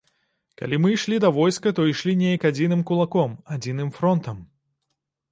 Калі мы ішлі да войска, то ішлі неяк адзіным кулаком, адзіным фронтам.